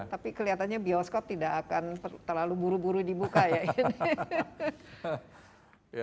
tapi kelihatannya bioskop tidak akan terlalu buru buru dibuka ya ini